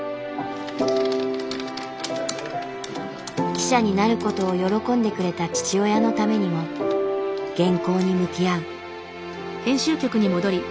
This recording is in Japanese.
記者になることを喜んでくれた父親のためにも原稿に向き合う。